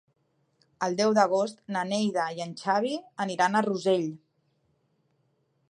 El deu d'agost na Neida i en Xavi aniran a Rossell.